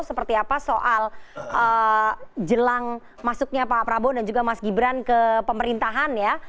seperti apa soal jelang masuknya pak prabowo dan juga mas gibran ke pemerintahan ya